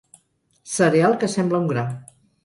Cereal que sembla un gra.